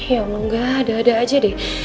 ya omong gak ada ada aja deh